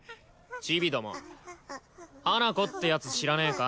チビども花子ってやつ知らねえか？